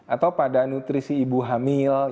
atau pada nutrisi ibu hamil